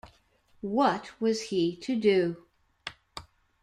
What was he to do?